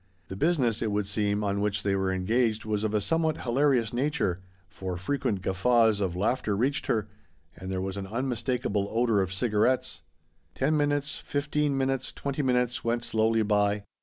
The busi ness, it would seem, on which they were engaged was of a somewhat hilarious nature, for frequent guffaws of laughter reached her, and there was an unmistakable odour of ciga rettes. Ten minutes, fifteen minutes, twenty minutes, went slowly by.